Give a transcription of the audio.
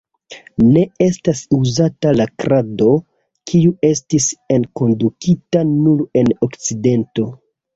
Ne estas uzata la krado, kiu estis enkondukita nur en Okcidento.